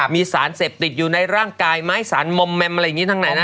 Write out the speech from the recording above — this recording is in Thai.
มีสารเสพติดอยู่ในร่างกายไหมสารมอมแมมอะไรอย่างนี้ทั้งไหนนะ